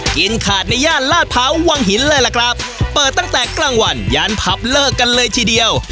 กินขาดในย่านลาดพร้าววังหินเลยล่ะครับเปิดตั้งแต่กลางวันยานผับเลิกกันเลยทีเดียว